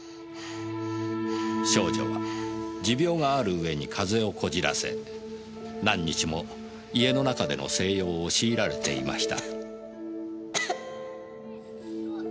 少女は持病がある上に風邪をこじらせ何日も家の中での静養を強いられていました。